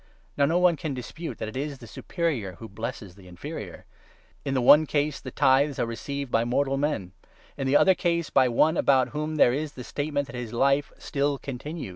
Now no one can dispute 7 that it is the superior who blesses the inferior. In the one case 8 the tithes are received by mortal men ; in the other case by one about whom there is the statement that his life still continues.